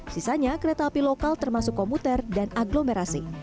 sisanya kereta api lokal termasuk komuter dan aglomerasi